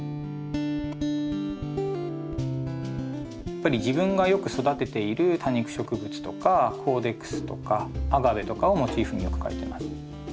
やっぱり自分がよく育てている多肉植物とかコーデックスとかアガベとかをモチーフによく描いてます。